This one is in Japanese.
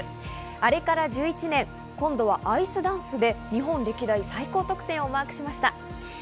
あれから１１年、今度はアイスダンスで日本歴代最高得点をマークしました。